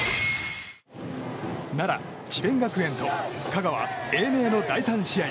奈良・智弁学園と香川・英明の第３試合。